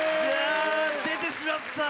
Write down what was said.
出てしまった！